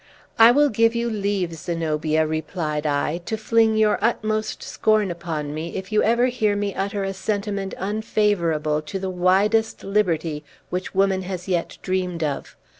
"I will give you leave, Zenobia," replied I, "to fling your utmost scorn upon me, if you ever hear me utter a sentiment unfavorable to the widest liberty which woman has yet dreamed of.